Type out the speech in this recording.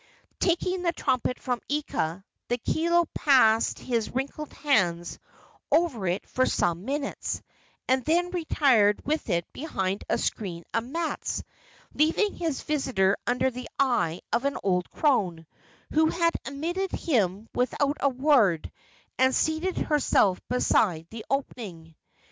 Taking the trumpet from Ika, the kilo passed his wrinkled hands over it for some minutes, and then retired with it behind a screen of mats, leaving his visitor under the eye of an old crone, who had admitted him without a word and seated herself beside the opening.